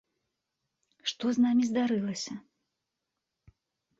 Што з намі здарылася?